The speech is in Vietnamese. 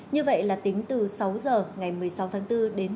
như vậy là tính từ sáu h ngày một mươi sáu tháng bốn đến một mươi hai h